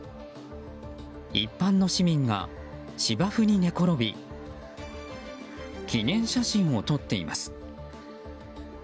一般の市民が芝生に寝転び記念写真を撮っています。